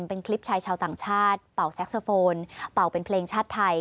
เป็นคลิปชายชาวต่างชาติเป่าแซ็กโซโฟนเป่าเป็นเพลงชาติไทย